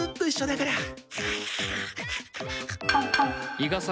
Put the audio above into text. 伊賀崎